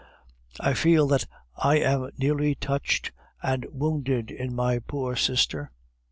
I feel that I am nearly touched and wounded in my poor sister.